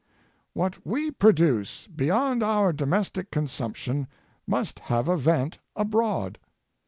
What we produce beyond our domestic consump tion must have a vent abroad.